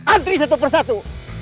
antri satu per satu